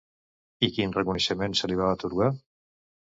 I quin reconeixement se li va atorgar?